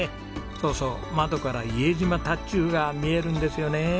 そうそう窓から伊江島タッチューが見えるんですよねえ。